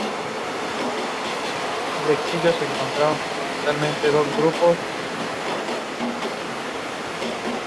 Está disponible en el No.